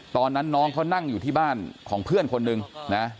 ตอนนั้นน้องเขานั่งอยู่ที่บ้านของเพื่อนคนหนึ่งนะ